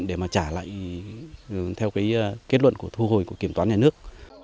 điều kiện để mà trả lại theo cái kết luận của thu hồi của kiểm toán nhà nước